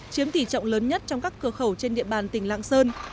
chiếm tỷ trọng lớn nhất trong các cửa khẩu trên địa bàn tỉnh lạng sơn